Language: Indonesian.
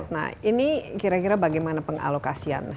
nah ini kira kira bagaimana pengalokasian